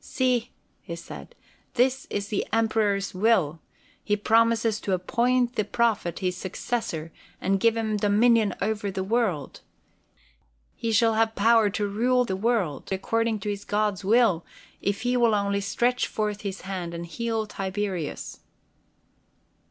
"See," he said, "this is the Emperor's will: He promises to appoint the Prophet his successor, and give him dominion over the world. He shall have power to rule the world according to his God's will, if he will only stretch forth his hand and heal Tiberius!"